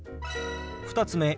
２つ目。